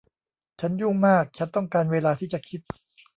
ฉันยุ่งมากฉันต้องการเวลาที่จะคิด